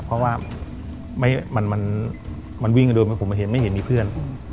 เพราะว่ามันวิ่งกันโดยผมไม่เห็นมีเพื่อน